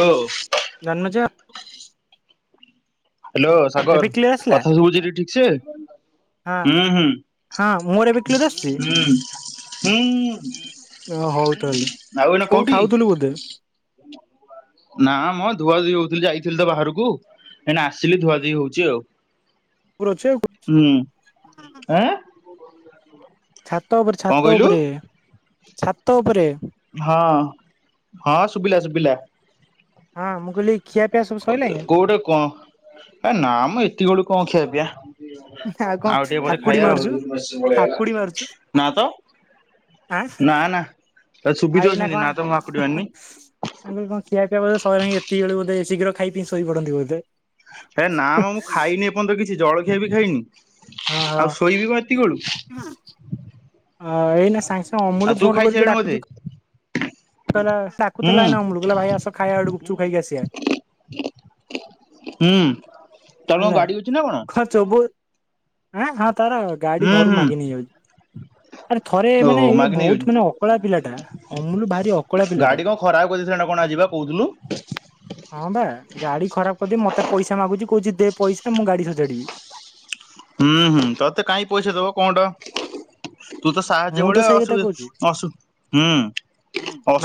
Hello. Janmajay hello ଏବେ clear ଆସିଲା ସାଗର କଥା ହଁ ଶବୁଛିତି ଠିକସେ? ହଁ ମୋର ଏବେ ହୁଁ କ୍ଲିୟର ଆସୁଛି? ହୁଁ ହୁଁ ହୁଁ। ଓ ହଉ ତାହେଲେ ଆଉ ଏଇନା କଣ କୋଉଠି? ଖାଉଥିଲୁ ବୋଧେ ନାମ ଧୁଆଧୁଇ ହଉଥିଲି ଯାଇଥିଲି ତ ବାହାରକୁ। ଏଇନା ଆସିଲି ଧୁଆ ଧୁଇ ହୋଉଚି ଆଉ। ପୁର ଅଛି ଆଉ ହୁଁ ଆଁ? ଛାତ ଓପରେ କଣ ଛାତ କହିଲୁ? ଓପରେ ଛାତ ଓପରେ। ହଁ ହଁ ଶୁବିଲା ଶୁବିଲା। ହଁ ମୁଁ କହିଲି ଖିଆ ପିଆ ସବୁ ସଇଲାଇଁ? କୋଉଟେ କଁ ଏ ନାଁ ମ ଏତିକି ଅଳୁ କଁ ଖିଆ ପିଆ। କଣ ଆଉ ଟିକେ ପରେ ହାକୁଡି ଖାଇବା ମାରୁଛୁ ଆଉ। ହାକୁଡି ମାରୁଛୁ ନାଁ ତ। ଆଁ ନାଁ ନାଁ ତତେ ଆଉ ଶୁବିଥିବ ଏଇନା ସେନ୍ତି କଣ ନା ତ ମୁଁ ହାକୁଟି ମାରିନି। ମୁଁ କଇଲି କଁ ଖିଆ ପିଆ ବୋଧେ ସଇଲାଇଁ ଏତିକି ଅଳୁ ବୋଧେ ଶୀଘ୍ର ଖାଇ ପିଇ ଶୋଇ ପଡ଼ନ୍ତି ବୋଧେ। ହେ ନାଁ ମ ମୁଁ ଖାଇନି ଏପଅନ୍ତ କିଛି ଜଳଖିଆ ବି ଖାଇନି ଆଉ ଶୋଇବି କଁ ଏତିକି ଅଳୁ? ନାଁ। ଅ ଏଇନା ସାଙ୍ଗେ ସାଙ୍ଗେ ଆଉ ଅମୁଲ ତୁ ଫୋନ୍ କରିକି ଖାଇସାରିଲୁଣି ବୋଧେ? ଡାକୁଚି କହିଲା ହୁଁ ସାକୁଥୁଲା ଏଇନା ଅମୁଲୁ କହିଲା ଭାଇ ଆସ ଖାଇବା ଆଡ଼ୁ ଗୁପଚୁପ୍ ଖାଇକି ଆସିବା। ହୁଁ। ତାର କଣ ନାଁ ଗାଡି ଅଛି ନା କଣ? ଖର୍ଚ୍ଚ ବୋ ଆଁ ହଁ ତାର ଗାଡ଼ି ହୁଁ ଘରୁ ହୁଁ। ମାଗି ନେଇ ଯାଉଚି। ଆରେ ଥରେ ମାନେ ଓହୋ ଇଏ ମାଗି ନେଇଯାଉଛି ବହୁତକିନି ଅକୁଆଳିଆ ପିଲାଟା ଅମୁଲୁ ଭାରି ଅକୁଆଳିଆ ପିଲ୍ ଗାଡ଼ି କଁ ଖରାପ କରଦେଇଥିଲା ନାଁ କଣ ଆଜି ପା କହୁଥୁଲୁ। ହଁ ବା ଗାଡ଼ି ଖରାପ କରିଦେଇ ମତେ ପଇସା ମାଗୁଚି କହୁଚି ଦେ ପଇସା ମୁଁ ଗାଡ଼ି ସଜାଡ଼ିବି। ହୁଁ ହୁଁ ତତେ କାଇହିଁ ପଇସା ଦବ କଁ ଟ? ତୁ ତ ସାହାଯ୍ୟ ମୁଁ ତ ବଳେ ସେଇ କଥା ଅସୁ କହୁଛି ଅସୁ ହୁଁ।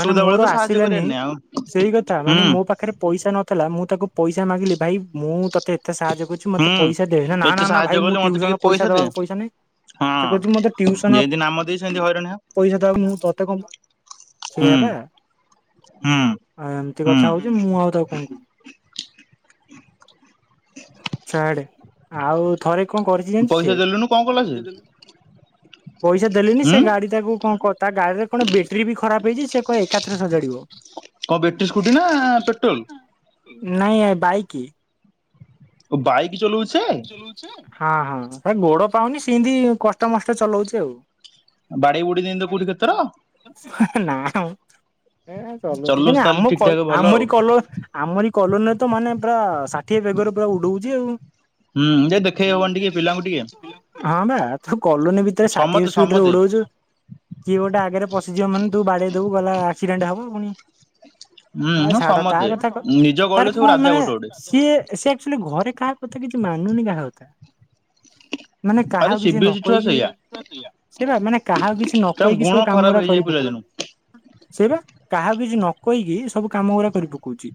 ମାନେ ବେଳେ ମୋର ତ ସାହାଯ୍ୟ କରିବାର ଆସିଲାନେଇ ନାଇଁ ଆଉ ସେଇ କଥା ମାନେ ହୁଁ ମୋ ପାଖରେ ପଇସା ନଥିଲା ମୁଁ ତାକୁ ପଇସା ମାଗିଲି ଭାଇ ମୁଁ ତତେ ତେ ସାହାଯ୍ୟ କରିଛୁ ମତେ ହୁଁ। ପଇସା ଦେ ହେ ନାଁ ଏତେ ନାଁ ନାଁ ସାହାଯ୍ୟ ଭାଇ କଲେ ମୁଁ ମତେ ଟିକେ ଟ୍ୟୁସନ୍ ପଇସା ଦେ ଦବାକୁ ପଇସା ନାଇଁ। ସେ କଉଚି ମତେ ଟିଉସନ ହେନ୍ତି ହଇରାଣ ହେ ପଇସା ଦବାକୁ ମୁଁ ତତେ କଁ ହୁଁ ସେଇଆ ପା। ହୁଁ ଆ ଏମତି ହୁଁ। କଥା ହଉଚି ମୁଁ ଆଉ ତାକୁ କଁ କହି ଛାଡ଼େ ଆଉ ଥରେ କଁ କରିଚି ଜାଣିଚୁ ପଇସା ଦେଲୁନୁ କଣ କଲା ସେ? ସିଏ? ପଇସା ଦେଲିନି ହୁଁ। ସେ ଗାଡ଼ି ତାକୁ କଁ କ ତା ଗାଡ଼ିରେ କଣ ବେଟରୀ ବି ଖରାପ ହେଇଚି ସେ କଁ ଏକାଥରେ ସଜାଡ଼ିବ। କ ବେଟରୀ ସ୍କୁଟି ନାଁ ପେଟ୍ରୋଲ୍? ନାଇଁ ଏ ବାଇକି। ଓ ବାଇ ହଁ ହଁ ହେ ଗୋଡ଼ ପାଉନି ସିଇଁତି କଷ୍ଟେମଷ୍ଟେ ଚଲଉଚି ଆଉ। ବାଡେଇ ବୁଡେଇ ଦିଅନ୍ତି କୋଉଠି କେତେଥର ନାଁ ଅ। ଏ ଚଲଉଚି ଚଲଉଛି କିନ୍ତୁ ତାହେଲେ ଆମ ଠିକ କ ଠାକ ଭଲ ଆଉ। ଆମରି କଲ ଆମରି କଲୋନୀରେ ତ ମାନେ ପୁରା ଷାଠିଏ ବେଗରେ ପୁରା ଉଡ଼ଉଚି ଆଉ। ହୁଁ ଯେ ଦେଖେଇ ହବନି ଟିକେ ପିଲାଙ୍କୁ ଟିକେ। ହଁ ବା ତୁ କଲୋନୀ ଭିତରେ ସମସ୍ତେ ଷାଠିଏ ସ୍ପିଡ଼୍ ରେ ସମସ୍ତେ ଉଡ଼ଉଚୁ କିଏ ଗୋଟେ ଆଗେରେ ପଶିଯିବ ମାନେ ତୁ ବାଡ଼େଇ ଦବୁ ଗଲା ଆକ୍ସିଡେଣ୍ଟ୍ ହବ ପୁଣି ହୁଁ ଆ ହଁ ଛାଡ଼ ତା ସମସ୍ତେ କଥା କ ନିଜ ଗଳିରେ ତାର ସବୁ କଁ ରାଜା ମାନେ ଗୋଟେ ଗୋଟେ ସିଏ ଏ ସେ ଆକ୍ଚୁଆଲି ଘରେ କାହା କଥା କିଛି ମାନୁନି କାହା କଥା। ମାନେ ଆରେ କାହାକୁ କିଛି ସିବିଏସ୍ଇ ଛୁଆ ସେଇଆ ନକହିକି ସେଇ ପା ମାନେ କାହାକୁ କିଛି ନ ତାଙ୍କ କହିକି ଗୁଣ ସବୁ ଖରାପ କାମଉରା ହେଇଯାଏ କରିିପକଉଚି। ପିଲାଦିନୁ ସେଇ ପା କାହାକୁ କିଛି ନ କହିକି ସବୁ କାମଗୁରା କରି ପକଉଚି।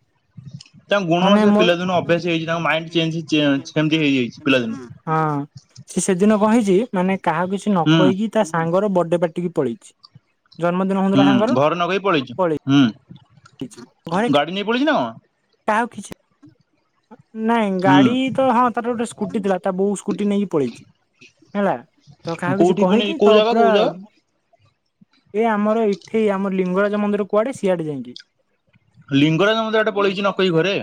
ତାଙ୍କ ଗୁଣ ସେ ପିଲାଦିନୁ ଅଭ୍ୟାସ ହେଇଚି ତାଙ୍କ ମାଇଣ୍ଡ୍ ଚେଞ୍ଜ୍ ହେଇ ଚେ ସେମତି ହେଇ ଯାଇଚି ପିଲାଦିନୁ। ହଁ ସି ସେଦିନ କଁ ହେଇଚି ମାନେ କାହାକୁ କିଛି ନ ହୁଁ କହିକି ତା ସାଙ୍ଗର ବଡ଼େ ପାର୍ଟିକି ପଳେଇଚି। ଜନ୍ମଦିନ ହୁଁ ଘର ନକ ପଳେଇଛୁ ପଳେଇ ହୁଁ ଘରେ ଗାଡି ନେଇ ପଳୁଛି ନା କାହାଉ କିଛି ନାଇଁ ହୁଁ ଗାଡି ତ ହଁ ତାର ଗୋଟେ ସ୍କୁଟି ଥିଲା ତା ବୋଉ ସ୍କୁଟି ନେଇକି ପଳେଇଛି ହେଲା ତ କାହାକୁ କିଛି କୋଉଠି ପୁଣି କହିନି କୋଉ ତ ଜାଗା ପୁରା କୋଉ ଜାଗା ଏ ଆମର ଏଇଠେଇ ଆମର ଲିଙ୍ଗରାଜ ମନ୍ଦିର କୁଆଡେ ସିଆଡେ ଯାଇକି ଲିଙ୍ଗରାଜ ମତେ ଏଟେ ପଳେଇଛି ନ କହି ଘରେ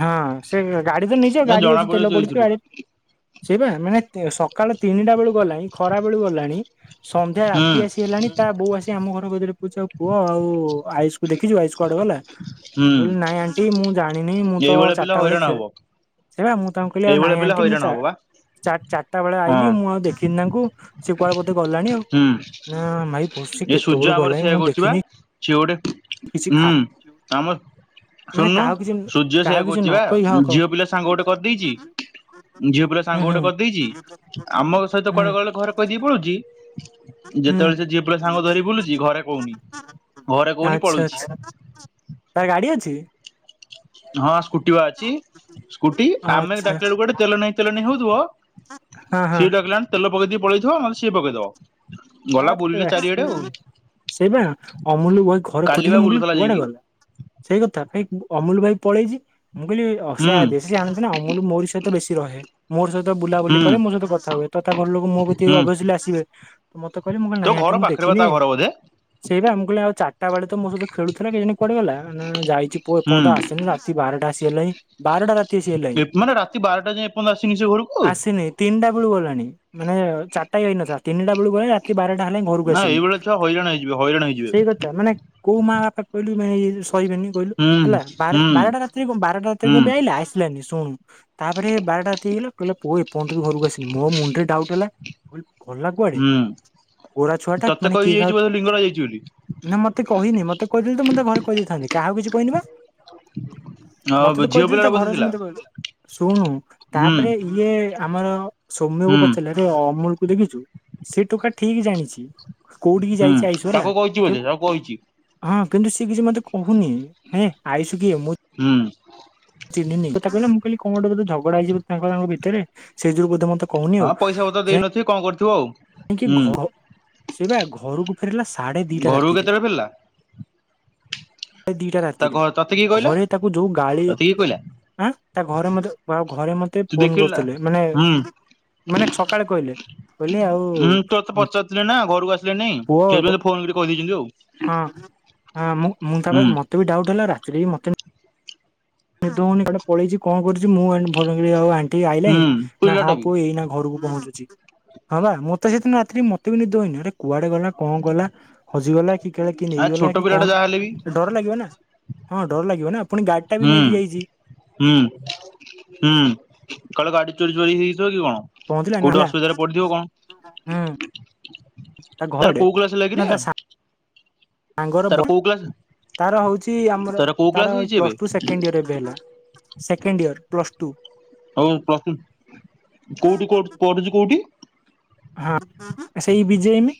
ହଁ ସେ ଗାଡି ତ ନେଇଯିବ ଗାଡି ଜଣା ଅଉଛି ପଡିବ ତେଲ ପଡିଛି ଯାଇଥିଲୁ ଗଡି ସେଇ ବା ମାନେ ସକାଳ ତିନିଟା ବେଳୁ ଗଲାଣି ଖରା ବେଳୁ ଗଲାଣି ସନ୍ଧ୍ୟା ହୁଁ ରାତି ଆସି ହେଲାଣି ତା ବୋଉ ଆସି ଆମ ଘର ଗରେ ପୁଛି ଆଉ ପୁଅ ଆଉ ଆଇସ୍କୁୁଖଛୁ ଆଇୁ କୁାର୍ଡ ଗଲା ହୁଁ ଁ ବିଲ ନାଇଁ ଆଣ୍ଟି ମୁଁ ଜାଣିନି ମୁଁ ତ ଏଇଭଳିଆ ପିଲା ଚାରିଟା ବେଳେ ହଇରାଣ ଖ ହବ ସେ ମୁଁ ତାଙ୍କୁ କହିଲି ଆଉ ଏଇଭଳିଆ ନାଇଁ ପିଲା ଆଣ୍ଟି ମୁଁ ହଇରାଣ ତ ହବ ବା ଚ ଚାରିଟା ବେଳେ ଆଇଲିି ହଁ ମୁଁ ଆଉ ଦେଖିନି ତାଙ୍କୁ ସେ କୁଆଡେ ବୋଧେ ଗଲାଣି ଆଉ ହୁଁ ନା ଭାଇ ବସି କେତେବେଳ ଗଲାଣି ମୁଁ ଦେଖିନି ଶଓଟେ କିଛି ଖା ହୁଁ ଆମ ମାନେ ଶୁଣନୁ କାହାକୁ କିଛି ସୂର୍ଯ୍ୟ ସେଇୟା କାହାକୁ କିଛି କହୁଛି ନ ବା କହି ହଁ କହ ଝିଅ ପିଲା ସାଙ୍ଗ ଗୋଟେ କରିଦେଇଛି ଝିଅ ପିଲା ହୁଁ ସାଙ୍ଗ ହୁଁ ଗୋଟେ କରିଦେଇଛି ଆମ ସହିତ ହୁଁ କୁଆଡେ କଡ ଘରେ କହିଦେଇ ପଡୁଛି ହୁଁ ଯେତେବେଳେ ସେ ଝିଏ ପିଲ ସାଙ୍ଗ ଧରି ବୁଲୁଛି ଘରେ କହୁନି ଘରେ କହୁନି ଆଚ୍ଛା ପଳୁଛି ଆଚ୍ଛା ତାର ଗାଡି ଅଛି ହଁ ସ୍କୁଟି ବା ଅଛି ସ୍କୁଟି ଆମେ ଆଚ୍ଛା ଡାକିଲା ବେଳକୁ ଗୋଟେ ତେଲ ନେଇ ତେଲ ନେଇ ହଉଥିବ ହଁ ହଁ ସିଏ ଡାକିଲାଣି ତେଲ ପକେଇଦି ପଳେଇଥିବ ନହେଲେ ସିଏ ପକେଇଦବ ଗଲା ଆ ବୁଲିଲେ ଚାରିଆଡେ ଆଉ ସେ ବା ଅମୁଲ ବହି ଘରେ କାଲି ଖୋଜିଲେ ବା ମୁଁ କିଲି ବୁଲୁଥିଲା କୁଆଡେ ଯାଇକି ଗଲା ସେଇ କଥା ଭାଇ ଅମୁଲ ଭାଇ ପଳେଇଛି ମୁଁ କହିଲି ହୁଁ ଅସହାୟ ବେଶୀ ଜଣୁ ନା ଅମୁ ମୋରି ସହିତ ବେଶୀ ରହେ ମୋର ସହିତ ବୁଲାବୁଲି ହୁଁ। କରେ ମୋ ସହିତ କଥା ହୁଏ ତଥା ଘର ଲୋକ ମୋ ହୁଁ ଅସଲି ଆସିବେ ତ ମତେ କହିଲି ମୁଁ କହିଲି ତୋ ନାଇଁଠେ ଘର ମୁଁ ପାଖରେ ବା ଦେଖିନି ତା ଘର ବୋଧେ ସେଇ ମୁମ କହେ ଆଉ ଚାରିଟା ବଳେ ତୋ ସହିତ ଖେଳୁଥିଲା କେ ପଡି ଗଲା ନା ଯାଇଛିୁ ହୁଁ କହଣ ଆସନି ଆସି ବାରଟା ଆସି ହେଲାଣି ବାରଟା ରାତି ଆସି ହେଲାଣି ମାନେ ରାତି ବାରଟା ଯାଏଁ ଏପର୍ଯ୍ୟନ୍ତ ଆସିନି ସେ ଘରକୁ ଆସନି ତିନି ା ବେଳ ଗଲାଣି ମାନେ ଚାରଟାଇନଥା ତିନି ଗଲେଣି ରାତି ବାରା ଲେ ଘରକୁ ନା ଆସିନି ଏଇଭଳିଆ ଛୁଆ ହଇରାଣ ହେଇଯିବେ ହଇରାଣ ହେଇଯିବେ ସେଇ କଥା ମାନେ କୋଉ ମା ବାପା କହିଲୁ ମାନ କହିବେନି କହିଲୁ ହୁଁ ହେଲା ବ ହୁଁ ବାରଟା ରାତିରେ ବାରଟା ହୁଁ ରାତିରେମ ଆଇିଲ ଆ ଆାନି ଶୁଣୁ ତାପରେ ବାରଟା ଏତି ହେଇଗଲା କହିଲ ପୁଅ ଏପର୍ଯ୍ୟନ୍ତ ଘରକୁ ଆସିଲି ମୋ ମୁଣ୍ଡ ରେ ଡାଉଟ୍ ହେଲା ଭଲ ଲାଗବ ଆରେ ହୁଁ ଗୋଡ଼ା ଛୁଆ ଟା ମାନେ କିଏ ଖାଉ ଚଲି ନା ମତେ କହିନି ମତେ କହିଦେଲେ ତୋତେ ଘରେ କହିେଇଥାନ୍ତି କାହାକୁ କିଛି କହିନି ବା ମତେ ଆଉ ତ ଝିଅ କହିଥିଲି ତା ପିଲାର ବୋଧେ ଘର ଥିଲା ମତେ ଶୁଣୁ ହୁଁ ତାପରେ ଇଏ ଆମର ସୌମ୍ୟକୁ ହୁଁ ପଚାରିଲା ଅମୁଲ କୁ ଦେଖିଛୁ ସେ ଟୋକା ଠିକ ଜାଣିଛି କୋଉଠିିକି ହୁଁ ଯାଇଛି ଆଇସୁ ତାକୁ କହିଛି ବୋଧେ ହେଲାୁ ତାକୁ କହିଛି ହଁ କିନ୍ତୁ ସିଏ କିଛି ମତେ କହୁନି ହେଁ ଆଇସୁ କିଏ ମୁଁ ହୁଁ ଚହନିନି କହିଲ ମୁଁ କିଲ କ ଗୋେୋଧେଝଡା ହେଯିବ ତାଙ୍କ ଭିତରେ ସେଇ ଯୋ ବୋଧେ ମତେ କହୁନି ହଁ ପଇସା ବତ ଦେଇନଥି କଣ କରିଥିବ ଆଉ ହୁଁ କାହିକି ସେ ବା ଘରକୁ ଫେରିଲା ସାଢେ ଦିଟା ଘରକୁ ରାତିରେ କେତେବେଳେ ଫେରିଲା ପ୍ର ଦିଟା ତା ରାତିରେ ଘ ତତେ କିଏ କହିଲା ଘରେ ତାକୁ ଯୋଉ ଗାଳି ତତେ କିଏ କହିଲା ଆଁ ତା ଘରେ ମଧ୍ୟ ବା ଘରେ ମଧ୍ୟ ତେ ତୁ ଫୋନ ଦେଖିଲୁ ନା କରୁଥିଲେ ମାନେ ହୁଁ ମାନେ ସକାଳେ କହିଲେ କହିଲେ ଆଉ ହଁ ତୋ ତ ପଚାରୁିଥିଲି ନା ଘରୁକୁ ଆସି ପୁଅ ସେନ୍ତ ଫୋନ କହିଦେଇଛନ୍ତି ଆଉ ହୁଁ। ତ ବି ଡାଉଟ୍ ହେଲା ରାତିରେ ବି ମତେ ନି ହଉନିଟେ ପଳେଇଛି କଣ କରୁଛି ମୁଁ ଆଉ ଆଣ୍ ଆଇଣି ହୁଁ ନା ହଁ ପିଲାଟା ବି ପୁଅ ଏଇ ଘରକୁ ପହଞ୍ଚୁଛି ହଁ ବା ମୋତେ ସେଦିନ ରାତିରେ ମତେ ବି ନିଦ କୁଆଡେ ଗଲା କଣ ଗଲା ହଜିଗଲା କି କି ଆ ନେଇଗଲା ଛୋଟ କି ପିଲାଟା କଣ। ଯାହା ହେଲେ ବି ଡର ଲାଗିବ ନା ହଁ ଡର ଲାଗିବ ନା ପୁଣି ଗାଡି ଟା ବି ହୁଁ। ନେଇକି ଯାଇଛି ହୁଁ ହୁଁ କହିଲ ଗାଡି ଚୋରି ଚୋରି ହେଇଥିବ କି କଣ। ପହଞ୍ଚିଲା ନା କୋଉଠି ହେଲା ଅସୁବିଧାରେ ପଡିଥିବ ହୁଁ କଣ? ତା ତାର ଘରେ କୋଉ କଲାସ ଲାଗି ନା ଯେ ତା ସାଙ୍ଗର ତାର ହଉଛି ଆମର କୋଉ କ୍ଲାସ ତାର ହେଇଛି ଏବେ ପ୍ଲସ୍ ଟୁ ସେକେଣ୍ଡ ଇୟର ଏବେ ହେଲା। Second year plus two. ଆଉ ପ୍ର କୋଉଠି କୋଉଠି ପଢୁଛି କୋଉଠି। ହଁ ସେଇ ବିଜେମ।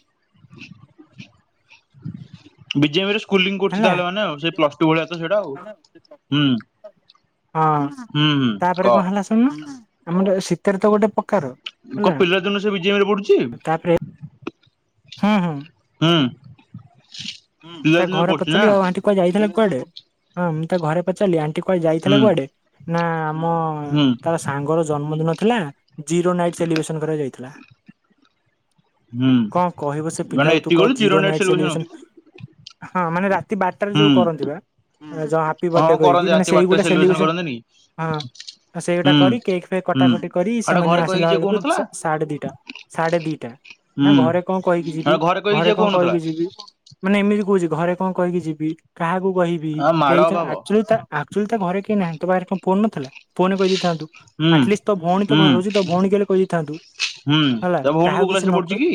ବିେ କରୁ ହେଲା ତାହେଲେ ମାନେ ପ୍ଲସ ଟୁ ଭଳିଆ ତ ସେଇଟା ଆଉ ହଁ। ହଁ ତାପରେ କଣ ହେଲା ଶୁଣୁନୁ ଆମର ଶୀତରେ ତ ଗୋଟେ ପକାର। କ ପିଲାର ଜଣୁ ସେ ବିଜ ରେ ପଢୁଛି। ହଁ ହଁ। ହୁଁ। ହୁଁ ତା ପିଲାଦିନରୁ ଘରେ ପଢୁଛି ପଚିଲ ନା ଆଉ ହଣ୍ଟି କୁଆ ଯାଇଥିଲା କୁଆଡେ ହଁ। ଘରେ ପଚାରିଲି ଆଣ୍ଟି କୁଆେ ଯାଇଥିଲା ହୁଁ କୁଆଡେ। ନା ଆମ ହୁଁ ତାର ସାଙ୍ଗର ଜନ୍ମଦିନ ଥିଲା। ଜିରୋ ନାଇଟ୍ ସେଲିବ୍ରେସନ କରାଯାଇଥିଲା। ହୁଁ କଣ କହିବ ସେ ମାନେ ପିଲାକୁ ତୁ ଏତିକି କ ବେଳୁ zero net nights celebration ହଁ ମାନେ ରାତି ବାରଟାରେ ଯୋଉ ହୁଁ କରନ୍ତି ବା। ହାପି ବଥଡେ ହଁ କରିକି କରନ୍ତି ମାନେ ରାତି ସେଇ ବାରଟାରେ ଗୋଟେ ସେଲିବ୍ରେସନ ସେଲିବ୍ରେସ କରନ୍ତିନି ହଁ। ଆଉ ସେଇଗୁଟା ହୁଁ କରି କେକ୍ ଫେକ୍ ହୁଁ। କଟାକଟି କରି ଆଉଟା ସେମାନେ ଘରେ କହିକି ଆସିଲା ଯିଏ ବେଳକୁ କହୁନଥିଲା ସାଢେ ଦିଟା ସାଢେ ଦିଟା। ନା ହୁଁ ଘରେ କଣ କହିକି ଆ ଯିବି କହିକି ଘରେ ଯିଏ କଣ କହୁନଥିଲା କହିକି ଯିବି। ମାନେ ଏମିତି କହୁଛି ଘରେ କଣ କହିକି ଯିବି କାହାକୁ କହିବି ଆ ମାଡ କେହି ଅଭାବ ଆଚୁ ଆକ୍ଚୁଆଲି ତା ଘରେ କେହି ନାହାନ୍ତି ତୋ ପାଖରେ କଣ ଫୋନ ନଥିଲା। ଫୋନ କହିଦେଇଥାନ୍ତୁ ହୁଁ। ଆଟଲିଷ୍ଟ ତ ଭଉଣୀ ତ ହୁଁ ଘରେ ରହୁଛି ତ ଭଉଣୀ କଲେ କହିଦେଇଥାନ୍ତୁ। ହୁଁ ହେଲା ତା ଭଉଣୀ କୋଉ କାହାକୁ କ୍ଲାସ କିଛି ରେ ନ ପଢୁଛି କହି କି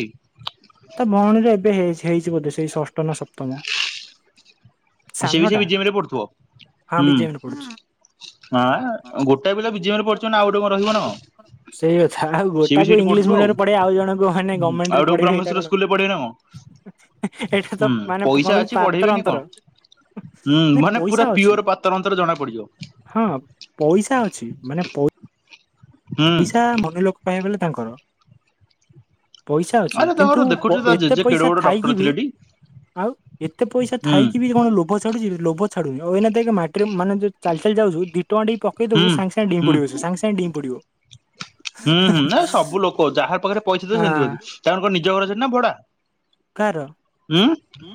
ତା ଭଉଣୀରେ ଏବେ ହେଇ ହେଇଛି ବୋଧେ ସେଇ ଷଷ୍ଠ ନା ସପ୍ତମ। ସିଏ ବି ସେ ସାଙ୍ଗଟା ବିଜେଏମ୍ ରେ ପଢୁଥିବ ହଁ ହୁଁ। ବିଜୟମ ରେ ପଡୁଛି। ହଁ ଗୋଟାଏ ପିଲା ବିଜେଏମ୍ ରେ ପଢୁଥିବ ନା ଆଉ ଗୋଟେ କଣ ରହିବ ନା କଣ ସେଇ କଥା ଆଉ ସିଏ ଗୋଟା ବି ସେଇଠି ଇଂଲିଶ ପଢୁଥିବ ମି ପଢ ଆଉ ଜଣ ହୁଁ ଆଉ ଗଣମେଣ୍ଟରେ ଗୋଟେ ପଢିବେ ଏଇଟା ବ୍ରହ୍ମେଶ୍ୱର କଣ ସ୍କୁଲ ରେ ପଢେଇବେ ନା କଣ ଏଇଟା ତ ହୁଁ ମାନେ କଣ ପଇସା କହିଲି ଅଛି ପାତର ପଢେଇବେନି ଅନ୍ତର। କଣ। ହୁଁ ନାଇଁ ମାନେ ପଇସା ପୁରା ଅଛି ପିଓର ପାତର ଅନ୍ତର ଜଣା ପଡିଯିବ। ହଁ ପଇସା ଅଛି ମାନେ ହୁଁ। ପଇସା ମନେ ଲୋକ ପାଇ ବଲେ ତାଙ୍କର। ପଇସା ଅଛି ଆରେ ତାଙ୍କର କିନ୍ତୁ ଦେଖୁଛୁ ତା ଏତେ ଜେଜେ କେଡେ ପଇସା ବଡ ଡକ୍ଟର ଥାଇକି ବି ଥିଲେଟି ଆଉ ଏତେ ପଇସା ହୁଁ। ଥାଇକି ବି କଣ ଲୋକ ଲୋ ଛଡୁଛି ଲୋଭ ଛଡୁଛି ଏ ମାଟିରେ ମାନେଉ ଚାଲି ଚାଲି ଯାଉଛି ଦି ଟଙ୍କା ଟିକ ହୁଁ ପକେଇଦବ ସଙ୍ଗେ ସଙ୍ଗେ ଡେଇଁ ହୁଁ ପଡିବ ସାଙ୍ଗେ ସାଙ୍ଗେ ଡେଇଁ ପଡିବ। ହୁଁ ହୁଁ ନା ସବୁ ଲୋକ ଯାହାର ପାଖରେ ପଇସା ତ ସେମିତି ହନ୍ତି। ତାଣଙ୍କ ନିଜ ଘରରେ ନା ଭଡା। କାହାର? ଉଁ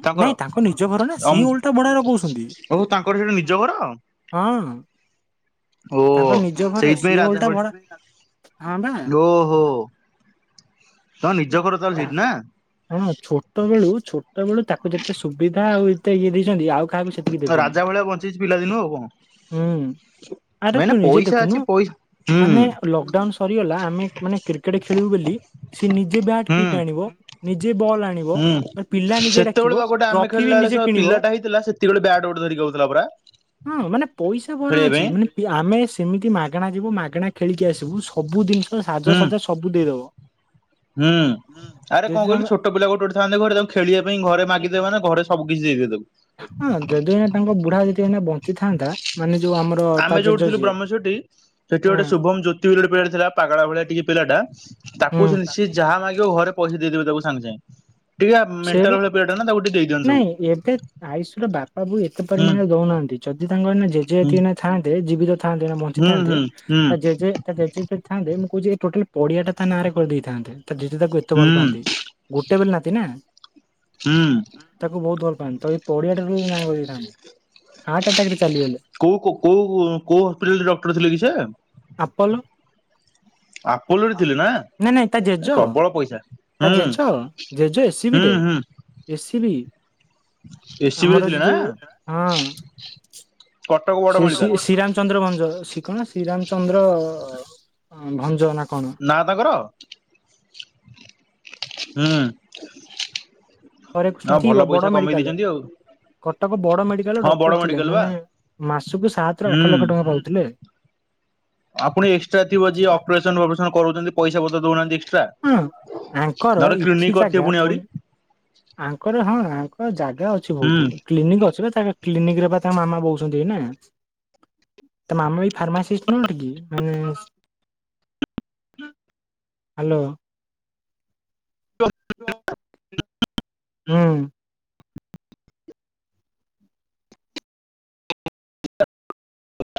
ତାଙ୍କର ନାଇଁ ତାଙ୍କ ନିଜ ଘର ନା ସି ଅମ୍ ଓଲଟା ଭଡ଼ା ଲଗଉଛନ୍ତି। ଓ ତାଙ୍କର ସେଠି ନିଜ ଘର ହୁଁ। ଓ ସେଇତ ପାଇଁ ସିଏ ରାଜା ଓଲଟା ଭଡା ହଁ ବା ଫ ଓହୋ। ତ ନିଜ ଘର ଚାଲ ସେଇଠି ନା। ତା ହଁ ଛୋଟ ବେଳୁ ଛୋଟ ବେଳୁ ତାକୁ ଯେତେ ସୁବିଧା ଆଉ ଏତେ ଇଏ ଦେଇଛନ୍ତି ଆଉ କାହାକୁ ସେତିକି ଦେବେନି। ରାଜା ଭଳିଆ ବଞ୍ଚେଇଛି ପିଲାଦିନ ଆଉ ହୁଁ କଣ। ଆରେ ଭାଇନା ତୁ ନିଜେ ପଇସା ଅଛି ଦେଖୁନୁ। ପଇସା ହୁଁ ମାନେ ଲକଡାଉନ ସରିଗଲା ଆମେ ମାନେ କ୍ରିକେଟ ଖେଳିବୁ ବୋଲି ସେ ନିଜେ ବ୍ୟାଟ୍ ହୁଁ କିଟ୍ ଆଣିବ। ନିଜେ ବଲ ଆଣିବ ହୁଁ। ପିଲା ନିଜେ ସେତେବେଳେ ଡାକିବ ବା ଗୋଟେ ଆମେ ଟ୍ରଫି ଖେଳିଲା ବି ବେଳେ ସେ ନିଜେ କିଣିବ। ପିଲାଟା [unintelligible] ହଁ ମାନେ ପଇସା ଭରା ଖେଳିବା ଅଛି ପାଇଁ ମାନେ କି ଆମେ ସେମିତି ମାଗଣା ଯିବୁ ମାଗଣା ଖେଳିକି ଆସିବୁ ସବୁ ଜିନିଷ ହୁଁ। ସାଜସଜା ସବୁ ଦେଇଦବ। ହୁଁ ଆରେ କଣ ଯଦି କହିଲୁ ତାଙ୍କ ଛୋଟ ଛୋଟ ପିଲା ଗୋଟେ ଗୋଟେ ଥାନ୍ତି ଘରେ ତାଙ୍କୁ ଖେଳିବା ପାଇଁ ଘରେ ମାଗିଦେବାାନ ଘରେ ସବୁ କିଛି ଦେଇଦବ। ହଁ ଯଦି ଏନା ତାଙ୍କ ବୁଢା ଯଦି କ ବଞ୍ଚିଥାନ୍ତା ମାନେ ଯୋଉ ଆମର ତା ଆମେ ଜେଜ ଯୋଉଠିଥିଲୁ୍ ଯିଏ ବ୍ରହ୍ମେଶ୍ୱରଠି ସେଠି ହୁଁ ଗୋଟେ ଶୁଭମ ଜ୍ୟୋତି ବୋଲି ପିଲା ଥିଲା ପାଗଳା ଭଳିଆ ଟିକେ ପିଲାଟା। ହୁଁ ତାକୁ ସେମତି ସିଏ ଯାହା ମାଗିବ ଘରେ ପଇସା ଦେଇଦେବେ ତାକୁ ସାଙ୍ଗେ ସାଙ୍ଗେ। ଟିକେ ସେ ମେଣ୍ଟାଲ ତାକୁ ଟିକେ ଦେଇଦିଅନ୍ତି ନାଇଁ ଏବେ ଆୟୁଷ ର ବାପା ବୁ ଏତେ ହୁଁ ପରିମାଣରେ ଦଉନାହାନ୍ତି ଯଦି ତାଙ୍କ ଏ ଜେଜେ ହୁଁ ଏତିକ ଥାଆନ୍ତେ ଜୀବିତ ଥାନ୍ତେ ନା ହୁଁ ବଞ୍ଚିଥାନ୍ତେ ହୁଁ ହୁଁ ତା ଜେଜେ ତା ଜେଜେେ ଥାନ୍ତେ ମୁଁ କହୁଛି ଟୋଟାଲ ପଡିଆ ଟା ତା ନାଁରେ କରିଦେଇଥାନ୍ତେ ତା ଜେଜେ ତାକୁ ଏତେ ଭଲ ହୁଁ ପାଆନ୍ତି। ଗୋଟେ ବୋଲି ନାତି ନା। ହୁଁ। ତାକୁ ବହୁତ ଭଲ ପାଆନ୍ତି ତ ଏଇ ପଡିଆ ଟା ନଁ କରି ଦେଇଥାନ୍ତେ। ହାର୍ଟ ଆଟେକ୍ ରେ ଚାଲିଗଲେ। କୋଉ କୋଉ କୋଉ ହସ୍ପିଟାଲ ରେ ଡକ୍ଟର ଥିଲେ କି ସେ। ଆପଲ। ଆପୋଲୋରେ ଥିଲେ ନା ନାଇଁ ନାଇଁ ତା ଜେଜ ପ୍ରବଳ ପଇସା। ତା ହୁଁ ଜେଜ ଜେଜ ଏ ପୃ ସିବିରେ ହୁଁ ହୁଁ ଏସ୍ ସ ବିି ଏସିବିରେ ଆମର ଥିଲେ ଯ ନା ଯୋଉ ହଁ କଟକ ବଡ ମେଡିକାଲ ଶ୍ରୀରାମ ଚନ୍ଦ୍ର ଭଞ୍ଜ ଶ କଣ ଶ୍ରୀରାମଚନ୍ଦ୍ର ଭଞ୍ଜ ନା କଣ ନା ତାଙ୍କର ହୁଁ ହରେ ନା କୃଷ୍ଣ ଭଲ ସ ପଇସା ବଡ କମେଇ ମେଡିକାଲରେ ଦେଇଛନ୍ତି ଆଉ କଟକ ବଡ ମେଡିକାଲରେ ହଁ ବଡ ଡକ୍ଟର ଥିଲେ ମେଡିକାଲ ବା ମାନେ ମାସକୁ ସାତ ର ହୁଁ ଆଠ ଲକ୍ଷ ଟଙ୍କା ପାଉଥିଲେ ଆପଣ ଏକ୍ସଟ୍ରା ଥିବ ଯିଏ ଅପରେସନ ଫପରେସନ କରୁଛନ୍ତି ପଇସା ପତ ଦଉନାହାନ୍ତି ହଁ। ଏକ୍ସଟ୍ରା ଆଙ୍କର ନଟ ଇଠି କିନ କରିଥିବ ଜାଗା ପୁଣି ଆହୁରି ଆଙ୍କର ହଁ ଆଙ୍କର ଜାଗା ଅଛି ହୁଁ ବହୁତ କ୍ଲିନିକ୍ ଅଛି ବା ତା କ୍ଲିନିକ ରେ ବା ତାଙ୍କ ମାମା ବୋଉଛନ୍ତି ନା ତା ମାମା ବି ଫାର୍ମାସିଷ୍ଟ ନିକ କି ମାନେ ହ୍ୟାଲୋ ହୁଁ ଏକ